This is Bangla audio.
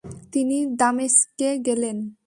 তিনি দামেস্কে গেলেন।